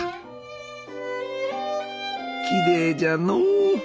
きれいじゃのう。